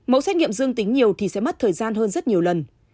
mẫu xét nghiệm dương tính nhiều thì sẽ mất thời gian hơn rất nhiều lần